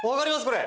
これ。